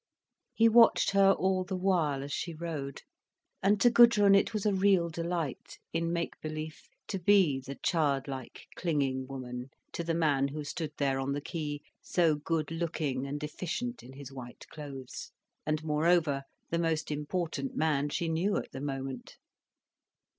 He watched her all the while, as she rowed. And to Gudrun it was a real delight, in make belief, to be the childlike, clinging woman to the man who stood there on the quay, so good looking and efficient in his white clothes, and moreover the most important man she knew at the moment.